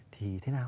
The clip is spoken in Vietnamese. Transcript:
thì thế nào